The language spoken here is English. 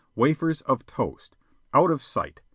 Wafers of toast! Out of sight!